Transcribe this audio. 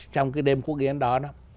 trong cái đêm cuốc ký ấy đó đó